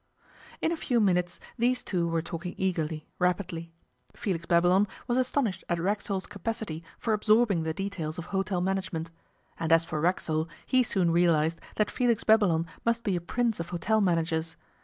In a few minutes these two were talking eagerly, rapidly. Felix Babylon was astonished at Racksole's capacity for absorbing the details of hotel management. And as for Racksole he soon realized that Felix Babylon must be a prince of hotel managers.